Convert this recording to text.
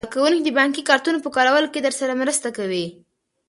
کارکوونکي د بانکي کارتونو په کارولو کې درسره مرسته کوي.